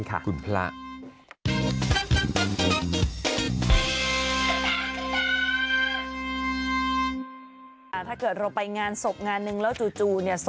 ถ้าเกิดเราไปงานศพงานหนึ่งแล้วจู่เนี่ย